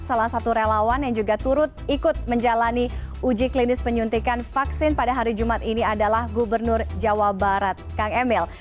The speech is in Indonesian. salah satu relawan yang juga turut ikut menjalani uji klinis penyuntikan vaksin pada hari jumat ini adalah gubernur jawa barat kang emil